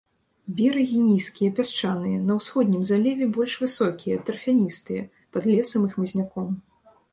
Берагі нізкія, пясчаныя, на ўсходнім заліве больш высокія, тарфяністыя, пад лесам і хмызняком.